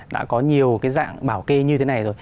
đã có nhiều cái dạng bảo kê như thế này rồi